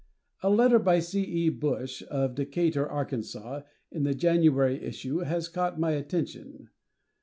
A letter by C.E. Bush, of Decatur, Ark., in the January issue has caught my attention.